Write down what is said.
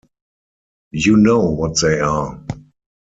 You know what they are.